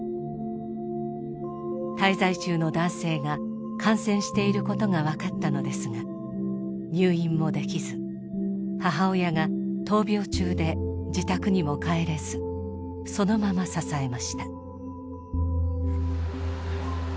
滞在中の男性が感染していることがわかったのですが入院もできず母親が闘病中で自宅にも帰れずそのまま支えました。